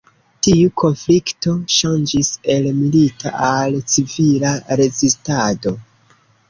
Tiu konflikto ŝanĝis el milita al civila rezistado.